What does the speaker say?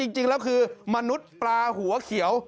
จริงแล้วคือมนุษย์ปลาหัวเขียว